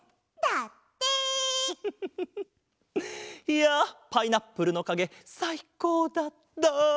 いやパイナップルのかげさいこうだった。